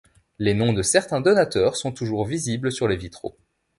Les noms de certains donateurs sont toujours visibles sur les vitraux.